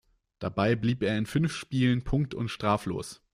Dabei blieb er in fünf Spielen punkt- und straflos.